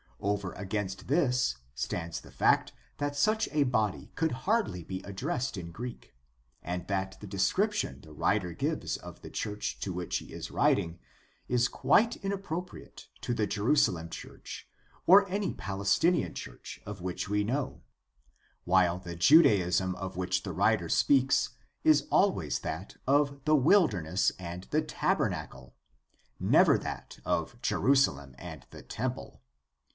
Over against this stands the fact that such a body could hardly be addressed in Greek, and that the description the writer gives of the church to which he is writing is quite inappropriate to the Jerusalem church or any Palestinian church of which we know, while the Judaism of which the writer speaks is always that of the wilder ness and the tabernacle, never that of Jerusalem and the temple.